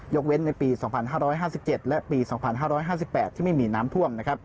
เว้นในปี๒๕๕๗และปี๒๕๕๘ที่ไม่มีน้ำท่วม